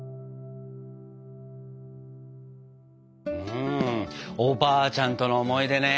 うんおばあちゃんとの思い出ね。